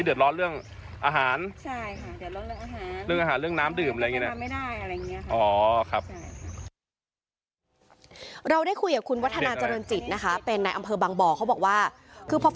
เยอะจากเลือดออกเรื่องอาหาร